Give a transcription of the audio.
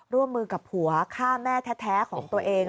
ร่วมมือกับผัวฆ่าแม่แท้ของตัวเอง